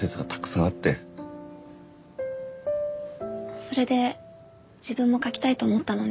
それで自分も書きたいと思ったのね。